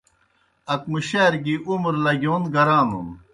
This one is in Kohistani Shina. اکمُشِیار گیْ عمر لگِیون گرانُ۔